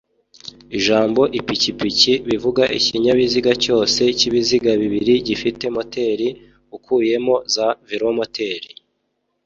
ijambo’’ipikipiki’’bivuga ikinyabiziga cyose cy’ibiziga bibiri gifite moteri, ukuyemo za velomoteri: